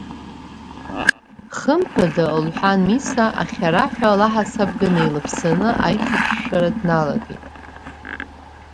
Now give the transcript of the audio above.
Хымԥада, – лҳәан Миса, ахьараҳәа лаҳасабга неилаԥсаны аихыршәшәара дналагеит.